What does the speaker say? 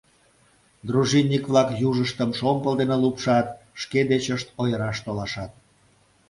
Дружинник-влак южыштым шомпол дене лупшат, шке дечышт ойыраш толашат.